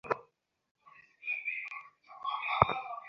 BDC খালের ওপর BDC সেতুর মাঝখানের ঢালাই খসে পড়ে রড বেরিয়ে গেছে।